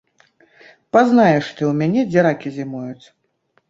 Пазнаеш ты ў мяне, дзе ракі зімуюць!